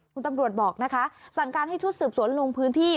คุณตำรวจบอกนะคะสั่งการให้ชุดสืบสวนลงพื้นที่